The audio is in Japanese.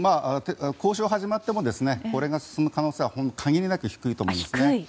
交渉が始まってもこれが進む可能性は限りなく低いと思います。